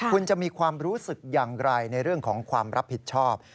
คุณจะมีความรู้สึกอย่างไรในเรื่องของความรับผิดชอบ